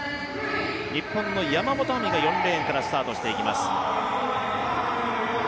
日本の、山本亜美が４レーンからスタートします。